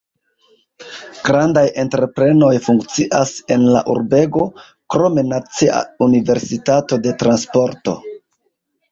Grandaj entreprenoj funkcias en la urbego, krome Nacia Universitato de Transporto.